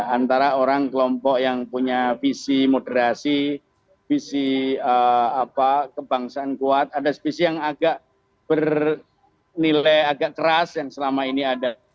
antara orang kelompok yang punya visi moderasi visi kebangsaan kuat ada visi yang agak bernilai agak keras yang selama ini ada